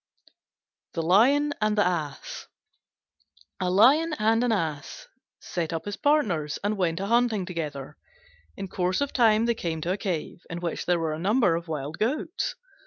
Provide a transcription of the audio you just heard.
THE LION AND THE ASS A Lion and an Ass set up as partners and went a hunting together. In course of time they came to a cave in which there were a number of wild goats.